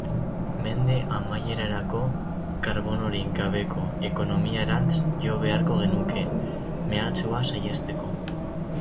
Mende amaierarako karbonorik gabeko ekonomiarantz jo beharko genuke, mehatxua saihesteko.